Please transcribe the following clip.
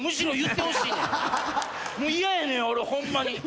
嫌やねん俺ホンマに。